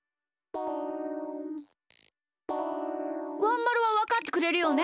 ワンまるはわかってくれるよね？